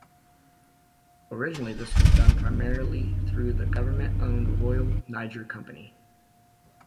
Originally this was done primarily through the government-owned Royal Niger Company.